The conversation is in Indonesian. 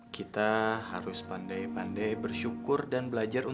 kita harus pandai pandai bersyukur dan belajar